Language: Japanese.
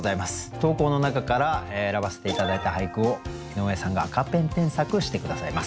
投稿の中から選ばせて頂いた俳句を井上さんが赤ペン添削して下さいます。